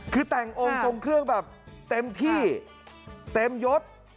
คือแต่งองค์ทรงเครื่องแบบเต็มที่เต็มยศ